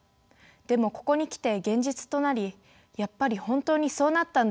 でもここに来て現実となり「やっぱり本当にそうなったんだ。